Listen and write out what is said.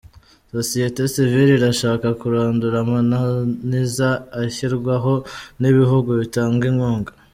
Sosiyete Sivile irashaka kurandura amananiza ashyirwaho n’ibihugu bitanga inkunga